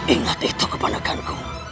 ingat itu kebenakanku